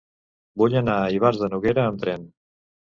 Vull anar a Ivars de Noguera amb tren.